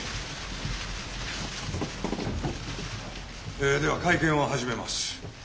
えでは会見を始めます。